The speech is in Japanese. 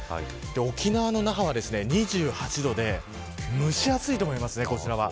沖縄の那覇は２８度で蒸し暑いと思いますね。